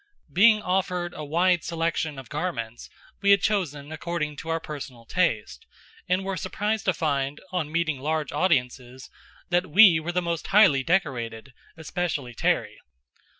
Being offered a wide selection of garments, we had chosen according to our personal taste, and were surprised to find, on meeting large audiences, that we were the most highly decorated, especially Terry.